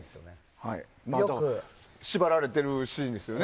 縛られているシーンですよね。